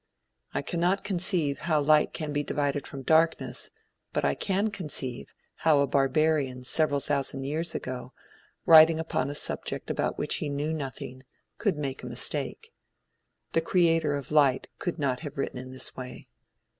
I cannot conceive how light can be divided from darkness, but I can conceive how a barbarian several thousand years ago, writing upon a subject about which he knew nothing, could make a mistake. The creator of light could not have written in this way.